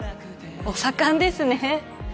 お盛んですね。